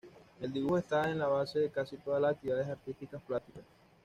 El dibujo está en la base de casi todas las actividades artísticas plásticas.